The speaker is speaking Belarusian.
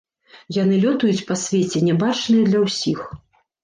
Яны лётаюць па свеце, нябачныя для ўсіх.